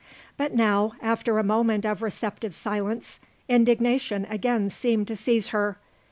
But now, after a moment of receptive silence, indignation again seemed to seize her.